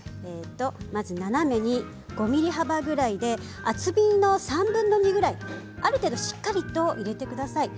斜めに５ｍｍ幅ぐらいで厚みが３分の２ぐらいある程度しっかりと入れてください。